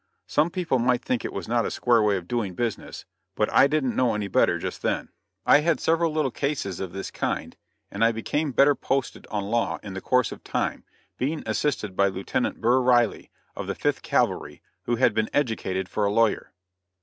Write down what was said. Some people might think it was not a square way of doing business, but I didn't know any better just then. I had several little cases of this kind, and I became better posted on law in the course of time, being assisted by Lieutenant Burr Reilly, of the Fifth Cavalry, who had been educated for a lawyer.